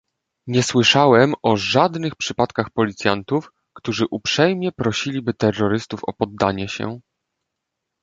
Nie słyszałem o żadnych przypadkach policjantów, którzy uprzejmie prosiliby terrorystów o poddanie się